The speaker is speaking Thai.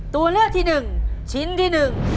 ตัวเลือกที่๑ชิ้นที่๑